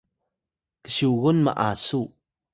ksyugun m’asu